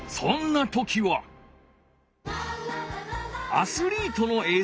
アスリートのえい